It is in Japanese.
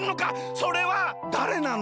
それはだれなの？